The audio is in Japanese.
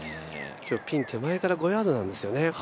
今日、ピン手前から５ヤードなんですよね。